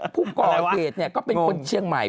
ผู้ก่อเหตุก็เป็นคนเชียงใหม่